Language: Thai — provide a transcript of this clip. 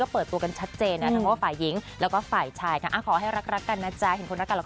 ผมไม่ค่อยได้ทำอะไรอย่างนั้นอยู่แล้ว